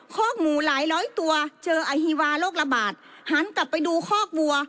คอกหมูหลายร้อยตัวเจออฮีวาโรคระบาดหันกลับไปดูคอกวัว